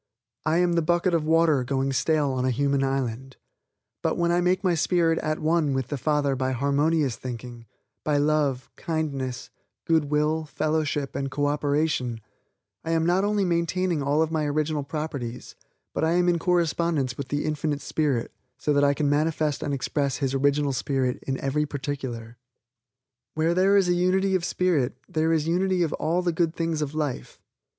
I am the bucket of water going stale on a human island; but, when I make my spirit at one with the Father by harmonious thinking, by love, kindness, good will, fellowship and co operation, I am not only maintaining all of my original properties, but I am in correspondence with the Infinite Spirit so that I can manifest and express His original spirit in every particular. Where there is a unity of spirit, there is unity of all the good things of life.